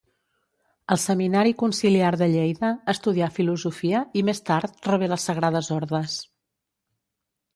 Al Seminari Conciliar de Lleida estudià filosofia i més tard rebé les sagrades ordes.